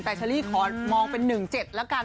แต่เชอรี่ขอมองเป็น๑๗แล้วกัน